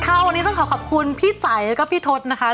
วันนี้ต้องขอขอบคุณพี่ใจแล้วก็พี่ทศนะคะ